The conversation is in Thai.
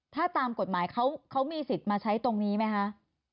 ถ้าตามกฎหมายเขามีสิทธิ์มาใช้ตรงนี้ไหมคะ